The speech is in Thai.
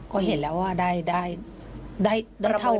ก็เห็นแล้วเห็นแล้วอ่ะได้ได้ได้ละได้ไหม